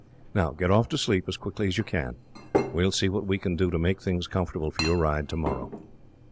"Now get off to sleep, as quickly as you can. We will see what we can do to make things comfortable for your ride, tomorrow."